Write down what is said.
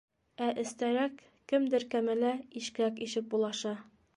Ә эстәрәк кемдер кәмәлә ишкәк ишеп булаша.